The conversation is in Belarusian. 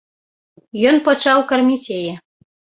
Ён пачаў карміць яе.